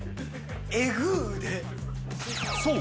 そう！